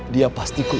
dia pasti kuat